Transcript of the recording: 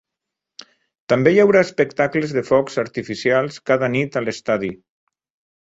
També hi haurà espectacles de focs artificials cada nit a l'estadi.